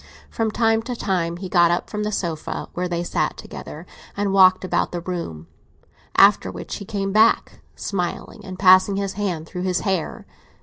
From time to time he got up from the sofa where they sat together, and walked about the room; after which he came back, smiling and passing his hand through his hair.